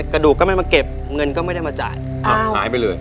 กระดูกก็ไม่มาเก็บเงินก็ไม่ได้มาจ่ายหายไปเลย